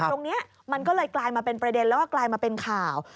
ตรงนี้มันก็เลยกลายมาเป็นประเด็นแล้วก็กลายมาเป็นข่าว